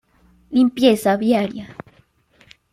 Limpieza viaria.